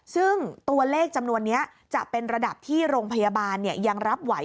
ซึ่งตัวเลขจำนวนนี้จะเป็นระดับที่โรงพยาบาลยังรับไหว